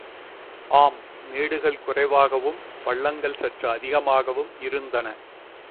ஆம், மேடுகள் குறைவாகவும், பள்ளங்கள் சற்று அதிகமாகவும் இருந்தன.